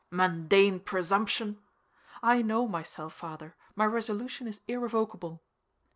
"Mundane presumption!" "I know myself, Father; my resolution is irrevocable."